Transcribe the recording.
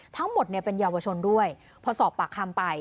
ทั้งหมดเนี่ยเป็นเยาวชนด้วยพอสอบปากคำไป